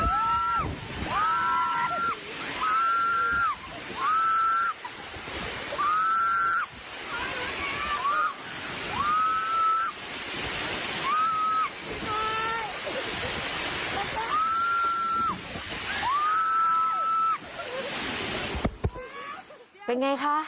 เป็นอย่างไรคะโปรดตัวนี้